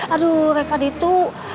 aduh mereka itu